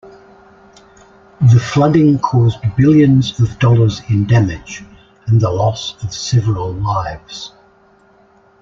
The flooding caused billions of dollars in damage and the loss of several lives.